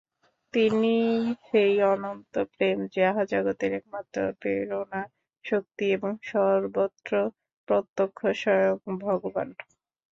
তিনিই সেই অনন্ত প্রেম, যাহা জগতের একমাত্র প্রেরণা-শক্তি এবং সর্বত্র প্রত্যক্ষ স্বয়ং ভগবান্।